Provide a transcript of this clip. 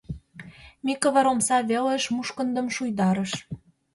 — Микывыр омса велыш мушкындым шуйдарыш.